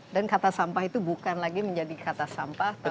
dan kata sampah itu bukan lagi menjadi kata sampah